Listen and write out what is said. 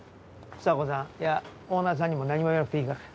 房子さんいやオーナーさんにも何も言わなくていいから。